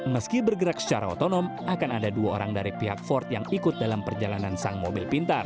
meski bergerak secara otonom akan ada dua orang dari pihak ford yang ikut dalam perjalanan sang mobil pintar